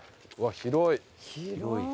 広い。